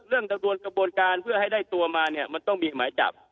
กระบวนการเพื่อให้ได้ตัวมาเนี่ยมันต้องมีหมายจับ